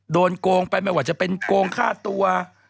โดนโกงไปไม่ว่าจะเป็นโกงฆ่าตัว